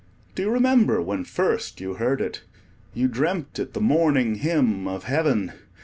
Do you remember when first you heard it? You dreamt it the morning hymn of Heaven.